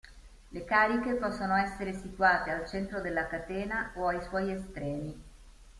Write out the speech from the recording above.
Le cariche possono essere situate al centro della catena o ai suoi estremi.